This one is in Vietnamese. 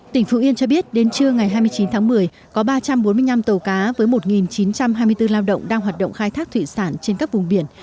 tỉnh phú yên cho biết đến trưa ngày hai mươi chín tháng một mươi có ba trăm bốn mươi năm tàu cá với một chín trăm hai mươi bốn lao động đang hoạt động khai thác thủy sản trên các vùng biển